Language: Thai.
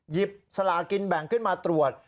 สลากินแบ่งขึ้นมาตรวจ